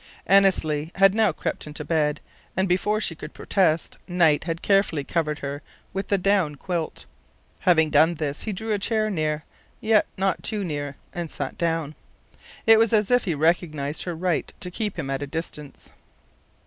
Annesley had now crept into bed; and before she could protest Knight had carefully covered her with the down quilt. Having done this, he drew a chair near, yet not too near, and sat down. It was as if he recognized her right to keep him at a distance.